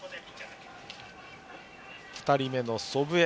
２人目の祖父江。